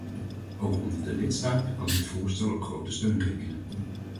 Ook onder de lidstaten kan dit voorstel op grote steun rekenen.